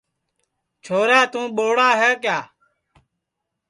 چھورا توں ٻوڑ ہے کیا